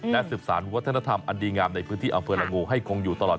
และสืบสารวัฒนธรรมอันดีงามในพื้นที่อำเภอละงูให้คงอยู่ตลอด